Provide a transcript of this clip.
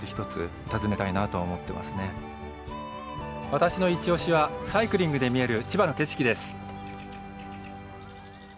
私のいちオシはサイクリングで見える千葉の景色です。